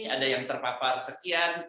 ada yang terpapar sekian